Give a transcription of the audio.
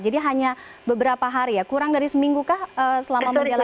jadi hanya beberapa hari ya kurang dari seminggu kah selama berjalan